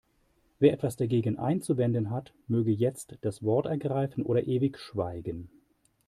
Wer etwas dagegen einzuwenden hat, möge jetzt das Wort ergreifen oder ewig schweigen.